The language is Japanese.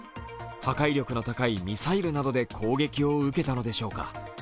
破壊力の高いミサイルなどで攻撃を受けたのでしょう。